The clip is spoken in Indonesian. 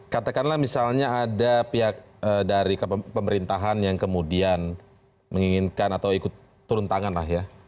katakanlah misalnya ada pihak dari pemerintahan yang kemudian menginginkan atau ikut turun tangan lah ya